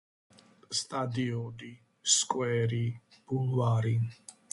სტადიონი სკვერი ბულვარი